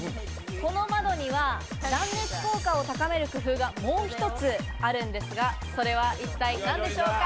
この窓には断熱効果を高める工夫が、もう１つあるんですが、それは一体何でしょうか。